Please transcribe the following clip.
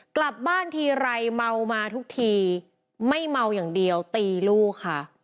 กลับบ้านทีไรเมามาทุกทีไม่เมาอย่างเดียวตีลูกค่ะ